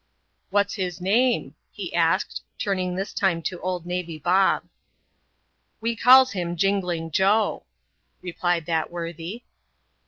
" What's his name ?" he asked, turning this time to old Navy Bob. " We calls him Jingling Joe," replied that worthy.